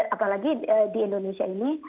apalagi di indonesia ini